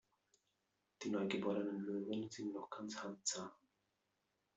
Die neugeborenen Löwen sind noch ganz handzahm.